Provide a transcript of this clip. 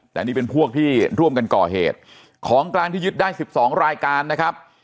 แต่นี่เป็นพวกที่ร่วมกันก่อเหตุของกลางที่ยึดได้สิบสองรายการนะครับ